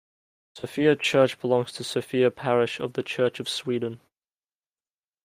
Sofia church belongs to Sofia parish of the Church of Sweden.